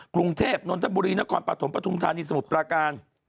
กรุงเทพนนทบุรีนครปฐมปฐุมธานีสมุทรปราการ